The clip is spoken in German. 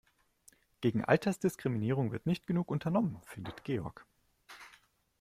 Gegen Altersdiskriminierung wird nicht genug unternommen, findet Georg.